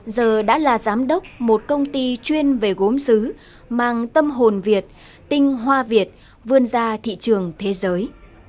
giờ đã là giám đốc một công ty chuyên về gốm xứ mang tâm hồn việt tinh hoa việt vươn ra thị trường thế giới